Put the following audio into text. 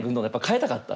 変えたかった？